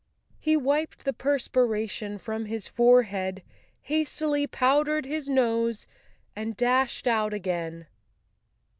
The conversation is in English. He wiped the perspiration from his forehead, hastily powdered his nose and dashed out again.